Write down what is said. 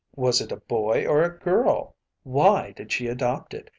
Was it a boy or a girl? Why did she adopt it?